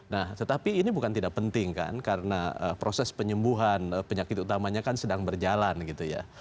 nah tetapi ini bukan tidak penting kan karena proses penyembuhan penyakit utamanya kan sedang berjalan gitu ya